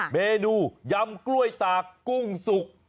เมนูยำกล้วยตากกุ้งสุก